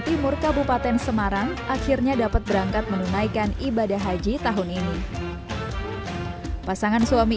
timur kabupaten semarang akhirnya dapat berangkat menunaikan ibadah haji tahun ini pasangan suami